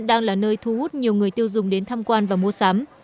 đang là nơi thu hút nhiều người tiêu dùng đến tham quan và mua sắm